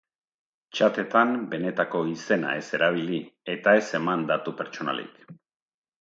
Txatetan, benetako izena ez erabili, eta ez eman datu pertsonalik.